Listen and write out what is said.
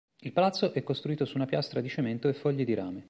Il palazzo è costruito su una piastra di cemento e fogli di rame.